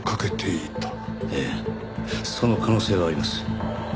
ええその可能性はあります。